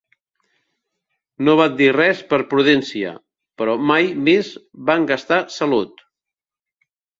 No van dir res per prudència, però mai més van gastar salut